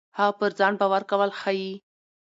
هغه پر ځان باور کول ښيي.